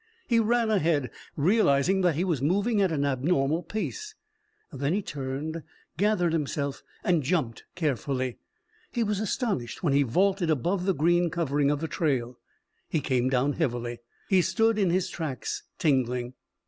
He ran ahead, realizing that he was moving at an abnormal pace. Then he turned, gathered himself, and jumped carefully. He was astonished when he vaulted above the green covering of the trail. He came down heavily. He stood in his tracks, tingling.